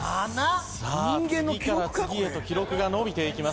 さあ次から次へと記録が伸びていきます。